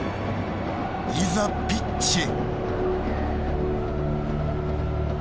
いざ、ピッチへ。